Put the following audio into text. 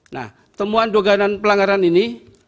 nah temuan doganan pelanggaran ini